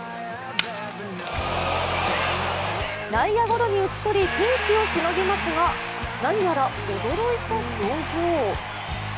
内野ゴロに打ち取りピンチをしのぎますが、何やら驚いた表情。